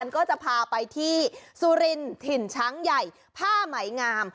ก็จะพาไปที่สุรินถิ่นช้างใหญ่ผ้าไหมงาม